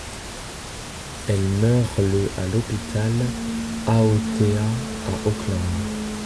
Elle meurt le à l'hôpital Aotea à Auckland.